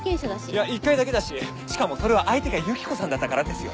いや１回だけだししかもそれは相手がユキコさんだったからですよ。